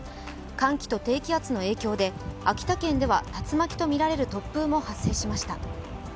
寒気と低気圧の影響で、秋田県では竜巻とみられる突風も発生しました。